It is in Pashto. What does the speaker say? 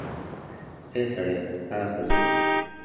اې سړیه, آ ښځې